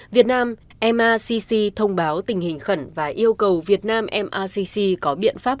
việt nam mcc thông báo tình hình khẩn và yêu cầu việt nam mrcc có biện pháp